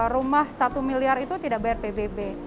rumah satu miliar itu tidak bayar pbb